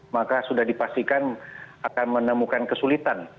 maka sudah dipastikan akan menemukan kesulitan